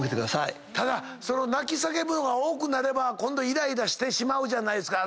ただ泣き叫ぶのが多くなれば今度イライラしてしまうじゃないですか